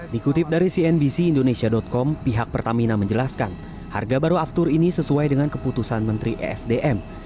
dikutip dari cnbc indonesia com pihak pertamina menjelaskan harga baru aftur ini sesuai dengan keputusan menteri esdm